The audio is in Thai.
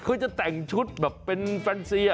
เขาจะแต่งชุดแบบเป็นฟรานซี